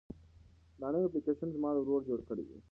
دا نوی اپلیکیشن زما ورور جوړ کړی دی.